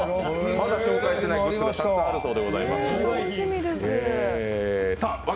まだ紹介していないグッズがたくさんあるそうでございます。